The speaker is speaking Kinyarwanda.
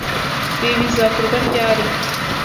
Ibi bizakorwa ryari?